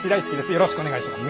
よろしくお願いします。